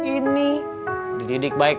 ini dididik baik baik